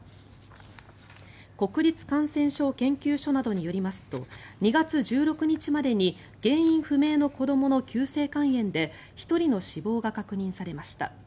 国立感染症研究所などによりますと２月１６日までに原因不明の子どもの急性肝炎で１人の死亡が確認されました。